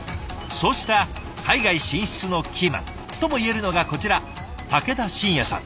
そうした海外進出のキーマンともいえるのがこちら武田真哉さん。